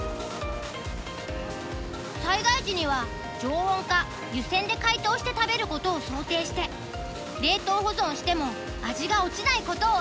災害時には常温か湯煎で解凍して食べることを想定して冷凍保存しても味が落ちないことを大事にしているんだ。